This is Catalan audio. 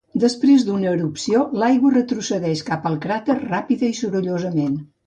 Després d'una erupció, l'aigua retrocedeix cap al cràter ràpida i sorollosament.